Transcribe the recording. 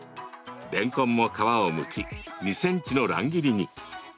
れんこんも皮をむき２ｃｍの乱切りに。